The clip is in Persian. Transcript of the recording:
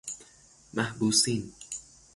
محبوسین